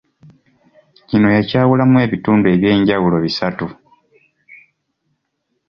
Kino yakyawulamu ebitundu eby'enjawulo bisatu.